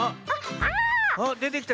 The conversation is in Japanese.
あっでてきた。